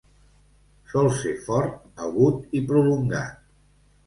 Sol ser fort, agut i prolongat.